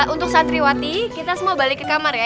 untuk santriwati kita semua balik ke kamar ya